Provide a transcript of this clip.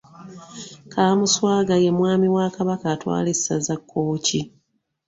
Kamuswaga ye mwami wa Kabaka atwala essaza Kkooki.